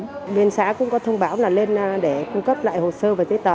nguyên xã cũng có thông báo là lên để cung cấp lại hồ sơ và giấy tờ